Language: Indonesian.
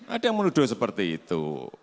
ada yang menuduh seperti itu